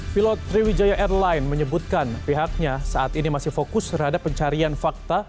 pilot sriwijaya airline menyebutkan pihaknya saat ini masih fokus terhadap pencarian fakta